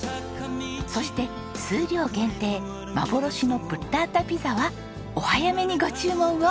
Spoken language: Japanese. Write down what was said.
そして数量限定幻のブッラータピザはお早めにご注文を！